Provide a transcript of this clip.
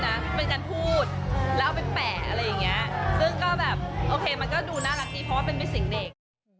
ซึ่งก็แบบโอเคมันก็ดูน่ารักดีเพราะว่าเป็นมีซิงเด็ก